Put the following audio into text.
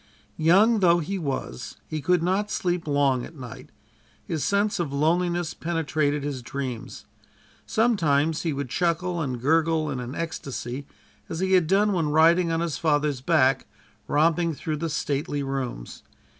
Young though he was he could not sleep long at night. His sense of loneliness penetrated his dreams. Sometimes he would chuckle and gurgle in an ecstacy, as he had done when riding on his father's back, romping through the stately rooms.